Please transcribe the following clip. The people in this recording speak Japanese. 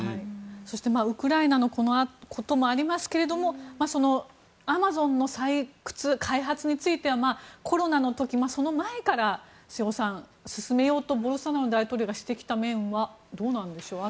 そしてウクライナのこともありますがアマゾンの採掘、開発についてはコロナの時、その前から瀬尾さん、進めようとボルソナロ大統領がしてきた面はどうなんでしょう？